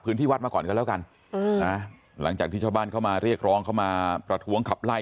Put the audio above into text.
พื้นที่วัดมาก่อนกันแล้วกันหลังจากที่ชาวบ้านเข้ามาเรียกร้องเข้ามาประท้วงขับไล่